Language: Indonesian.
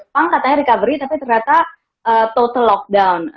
bang katanya recovery tapi ternyata total lockdown